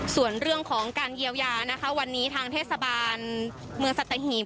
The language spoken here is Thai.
ส่วนเรื่องของการเยียวยานะคะวันนี้ทางเทศบาลเมืองสัตหีบ